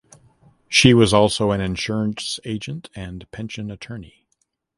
She was also an insurance agent and pension attorney.